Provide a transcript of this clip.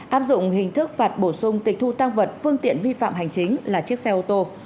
áp dụng hình thức phạt bổ sung tịch thu tăng vật phương tiện vi phạm hành chính là chiếc xe ô tô